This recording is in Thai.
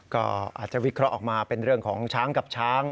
ก็อาจจะวิเคราะห์ออกมาเป็นเรื่องของช้างกับช้าง